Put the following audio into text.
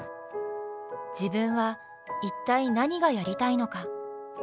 自分は一体何がやりたいのか。